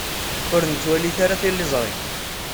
Ur nettwalit ara tiliẓri.